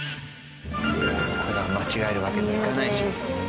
これだから間違えるわけにはいかないでしょ。